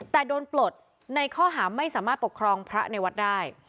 แต่โดนปลดในข้อหาไม่สามารถปกครองพระในวัดได้